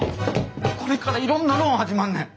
これからいろんなローン始まんねん。